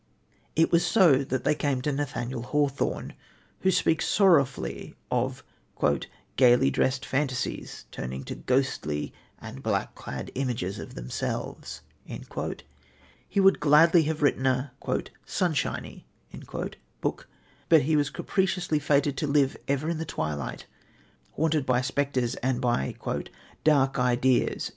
It was so that they came to Nathaniel Hawthorne, who speaks sorrowfully of "gaily dressed fantasies turning to ghostly and black clad images of themselves." He would gladly have written a "sunshiny" book, but was capriciously fated to live ever in the twilight, haunted by spectres and by "dark ideas."